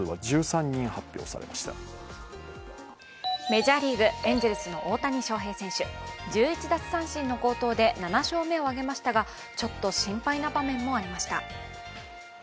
メジャーリーグ、エンゼルスの大谷翔平選手、１１奪三振の好投で７勝目を挙げましたがちょっと心配な場面もありました。